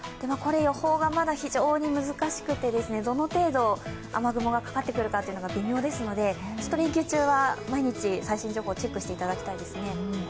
予報がまだ非常に難しくて、どの程度、雨雲がかかってくるかというのが微妙ですので連休中は毎日、最新情報をチェックしていただきたいですね。